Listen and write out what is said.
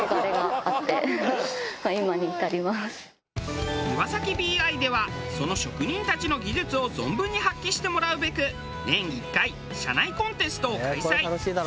イワサキ・ビーアイではその職人たちの技術を存分に発揮してもらうべく年１回社内コンテストを開催。